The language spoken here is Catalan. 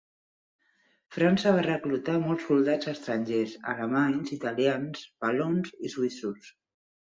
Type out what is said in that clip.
França va reclutar molts soldats estrangers; alemanys, italians, valons i suïssos.